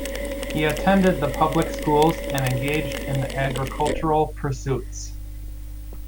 He attended the public schools and engaged in agricultural pursuits.